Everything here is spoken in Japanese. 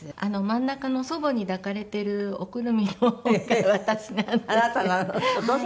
真ん中の祖母に抱かれているおくるみが私なんです。